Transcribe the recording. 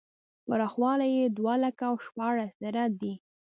پراخوالی یې دوه لکه او شپاړس زره دی.